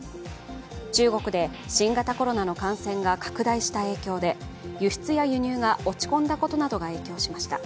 中国で新型コロナの感染が拡大した影響で輸出や輸入が落ち込んだことなどが影響しました。